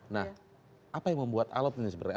nah apa yang membuat alat ini sebenarnya